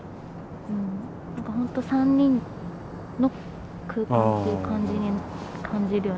ほんと３人の空間っていう感じに感じるよね